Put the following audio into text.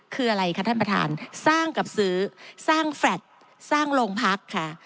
คืออะไรคะท่านประธานสร้างกับซื้อสร้างแฟลต์สร้างโรงพักค่ะ